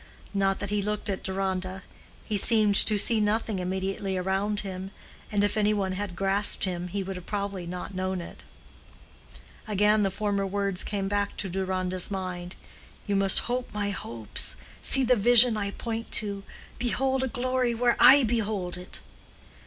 Not that he looked at Deronda: he seemed to see nothing immediately around him, and if any one had grasped him he would probably not have known it. Again the former words came back to Deronda's mind,—"You must hope my hopes—see the vision I point to—behold a glory where I behold it."